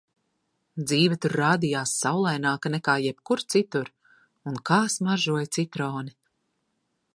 Dzīve tur rādījās saulaināka nekā jebkur citur. Un kā smaržoja citroni!